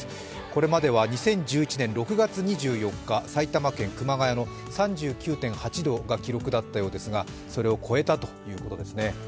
これまでは２０１１年６月２４日、埼玉県熊谷の３９．８度が記録だったようですがそれを超えたということですね。